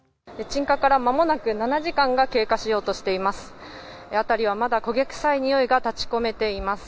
鎮火からまもなく７時間が経過しようとしています。